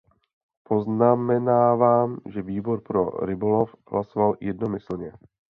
Poznamenávám, že Výbor pro rybolov hlasoval jednomyslně.